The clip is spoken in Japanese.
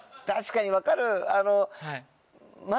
確かに分かる。